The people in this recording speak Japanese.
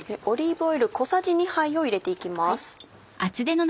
オリーブオイル小さじ２杯を入れて行きます。